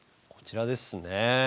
こちらですね。